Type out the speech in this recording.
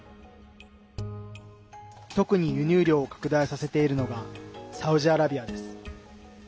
特に輸入量を拡大させているのがサウジアラビアです。